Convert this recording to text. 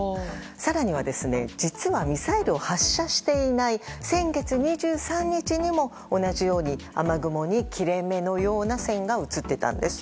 更には実はミサイルを発射していない先月２３日にも同じように雨雲に切れ目のような線が映っていたんです。